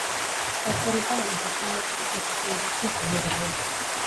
Tarte horretan hamazazpi neurketa jokatu dituzte zuri-gorriek.